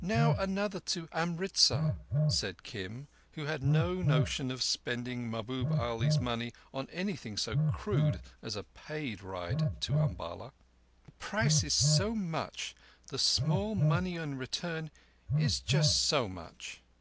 "Now another to Amritzar," said Kim, who had no notion of spending Mahbub Ali's money on anything so crude as a paid ride to Umballa. "The price is so much. The small money in return is just so much.